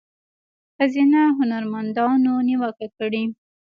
ښځینه هنرمندانو نیوکه کړې